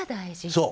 そう。